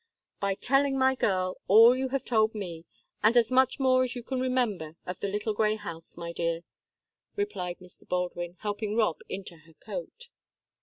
"By telling my girl all you have told me, and as much more as you can remember, of the little grey house, my dear," replied Mr. Baldwin, helping Rob into her coat.